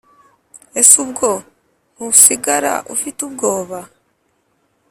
Ese ubwo ntusigara ufite ubwoba